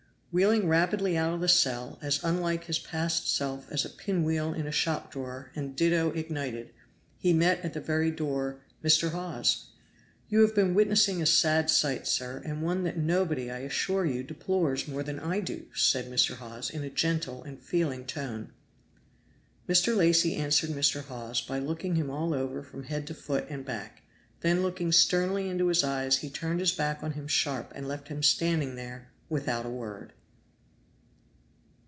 Wheeling rapidly out of the cell, as unlike his past self as a pin wheel in a shop drawer and ditto ignited, he met at the very door Mr. Hawes! "You have been witnessing a sad sight, sir, and one that nobody, I assure you, deplores more than I do," said Mr. Hawes, in a gentle and feeling tone. Mr. Lacy answered Mr. Hawes by looking him all over from head to foot and back, then looking sternly into his eyes he turned his back on him sharp and left him standing there without a word.